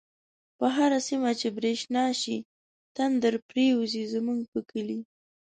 په هره سیمه چی برشنا شی، تندر پریوزی زمونږ په کلی